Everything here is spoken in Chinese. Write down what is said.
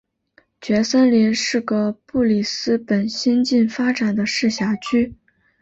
蕨森林是个布里斯本新近发展的市辖区。